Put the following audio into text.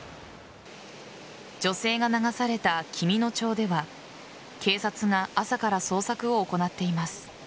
女性が流された紀美野町では警察が朝から捜索を行っています。